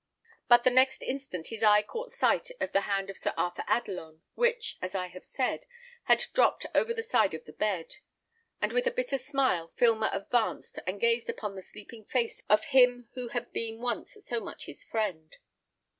But the next instant his eye caught sight of the hand of Sir Arthur Adelon, which, as I have said, had dropped over the side of the bed, and with a bitter smile, Filmer advanced and gazed upon the sleeping face of him who had been once so much his friend.